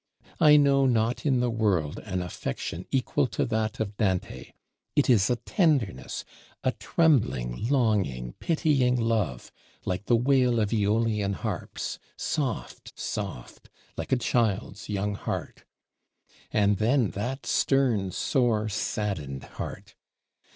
I know not in the world an affection equal to that of Dante. It is a tenderness, a trembling, longing, pitying love: like the wail of Æolian harps, soft, soft; like a child's young heart; and then that stern, sore saddened heart!